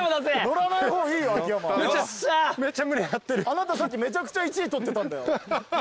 あなたさっきめちゃくちゃ１位取ってたんだよ。